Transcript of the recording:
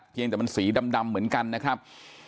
เพียงแต่มันสีดำเหมือนกันนะครับ